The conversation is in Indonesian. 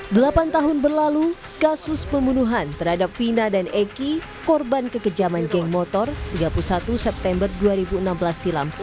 delapan tahun berlalu kasus pembunuhan terhadap vina dan eki korban kekejaman geng motor tiga puluh satu september dua ribu enam belas silam